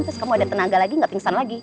terus kamu ada tenaga lagi gak pingsan lagi